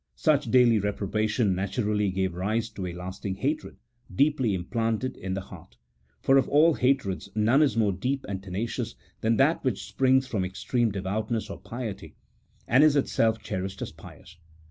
Such daily reprobation naturally gave rise to a lasting hatred, deeply implanted in the heart : for of all hatreds none is more deep and tenacious than that which springs from extreme devoutness or piety, and is itself cherished as pious.